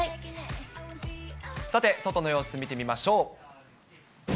さて、外の様子、見てみましょう。